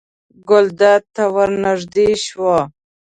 ګلداد ته ور نږدې شوه.